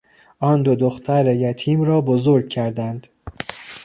آنها دو دختر یتیم را بزرگ کردند.